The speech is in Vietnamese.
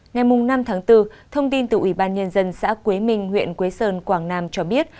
ngày năm tháng bốn thông tin từ ủy ban nhân dân xã quế minh huyện quế sơn quảng nam cho biết